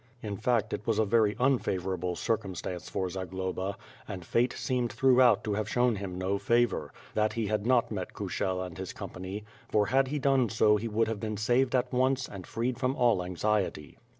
In fact, it was a very unfavorable circumstance for Zagloba, and fate seemed throughout to have shown him no favor, that he had not met Kushel and his company; for had he done so he would have been saved at once and freed from all anxiety.